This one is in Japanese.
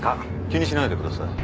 気にしないでください。